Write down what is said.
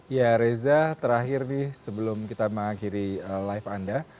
ya reza terakhir nih sebelum kita mengakhiri live anda